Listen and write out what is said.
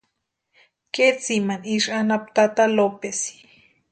Ketsimani isï anapu tata Lopesi.